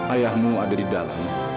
ayahmu ada di dalam